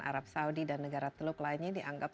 arab saudi dan negara teluk lainnya dianggap